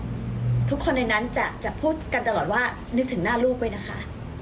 ทุกคนในนั้นจะพูดกันตลอดว่านึกถึงหน้าลูกด้วยนะคะ